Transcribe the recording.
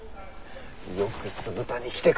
よく鈴田に来てくれたよ。